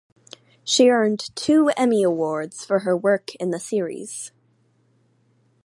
She earned two Emmy Awards for her work in the series.